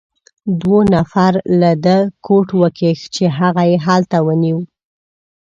دوو نفر له ده کوټ وکیښ، چې هغه يې هلته ونیو.